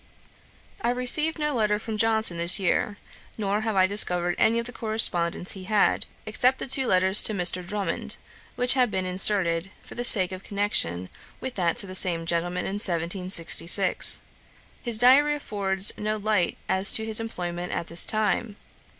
I received no letter from Johnson this year; nor have I discovered any of the correspondence he had, except the two letters to Mr. Drummond, which have been inserted, for the sake of connection with that to the same gentleman in 1766. His diary affords no light as to his employment at this time.